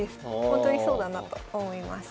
ほんとにそうだなと思います。